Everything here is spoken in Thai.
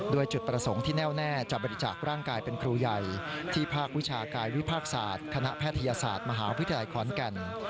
โดยจุดประสงค์ที่แน่วแน่จะบริจาคร่างกายเป็นครูใหญ่ที่ภาควิชากายวิภาคศาสตร์คณะแพทยศาสตร์มหาวิทยาลัยขอนแก่น